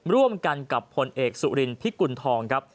ร่วมกันกับผลเอกสุรินพิกุณฑองครับ